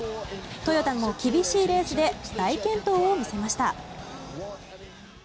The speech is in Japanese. トヨタも厳しいレースで大健闘を見せました。